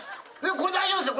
これ大丈夫ですよ。